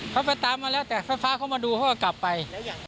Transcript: เขาไปตามมาแล้วแต่ไฟฟ้าเขามาดูเขาก็กลับไป